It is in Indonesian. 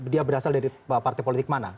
dia berasal dari partai politik mana